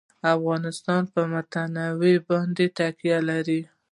افغانستان په تنوع باندې تکیه لري.